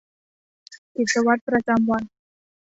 กิจวัตรประจำวัน